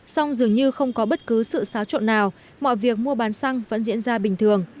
song dường như không có bất cứ sự xáo trộn nào mọi việc mua bán xăng vẫn diễn ra bình thường